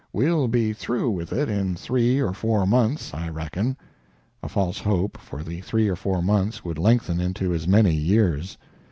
We'll be through with it in three or four months, I reckon" a false hope, for the three or four months would lengthen into as many years.